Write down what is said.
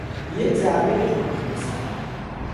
یک ضربهی جانانه به سر